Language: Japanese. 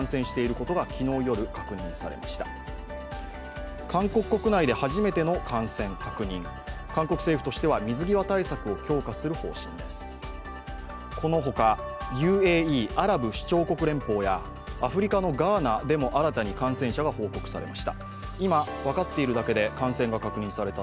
このほか、ＵＡＥ＝アラブ首長国連邦やアフリカのガーナでも新たに感染者が報告されました。